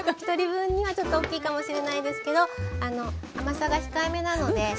１人分にはちょっと大きいかもしれないですけど甘さが控えめなので。